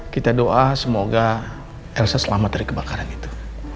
kita doa semoga elsa selamat dari kebakaran itu